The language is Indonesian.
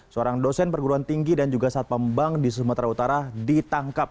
seorang dosen perguruan tinggi dan juga satpam bank di sumatera utara ditangkap